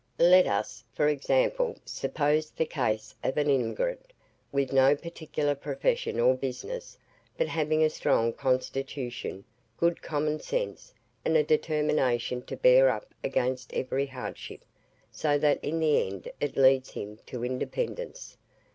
Let us, for example, suppose the case of an emigrant, with no particular profession or business, but having a strong constitution, good common sense, and a determination to bear up against every hardship, so that in the end it leads him to independence.